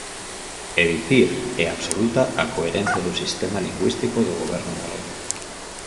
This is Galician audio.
É dicir, é absoluta a coherencia do sistema lingüístico do Goberno galego.